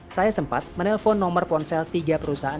saya sempat menelpon nomor ponsel tiga perusahaan